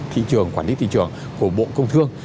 thị trường quản lý thị trường của bộ công thương